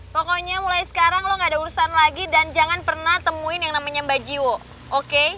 pokoknya mulai sekarang lo gak ada urusan lagi dan jangan pernah temuin yang namanya mba jiwo oke